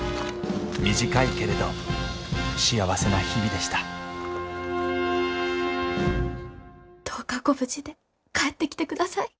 短いけれど幸せな日々でしたどうかご無事で帰ってきてください。